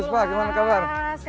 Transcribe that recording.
kabar baik alhamdulillah